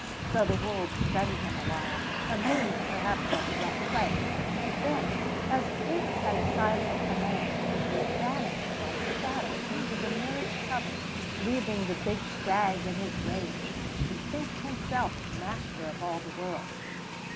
So the wolves studied him awhile, amused perhaps at the rough play; then, as if at a silent command, they vanished like shadows into the nearest cover, leaving the big stag in his rage to think himself master of all the world.